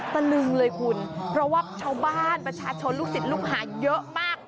ตะลึงเลยคุณเพราะว่าชาวบ้านประชาชนลูกศิษย์ลูกหาเยอะมาก